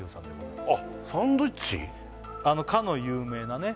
あのかの有名なね